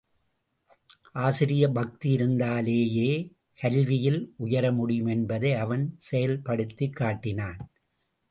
ஆசிரிய பக்தி இருந்தாலேயே கல்வியில் உயர முடியும் என்பதை அவன் செயல்படுத்திக் காட்டினான்.